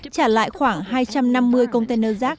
trả lại khoảng hai trăm năm mươi container rác